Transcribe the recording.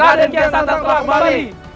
raden kiansantan telah kembali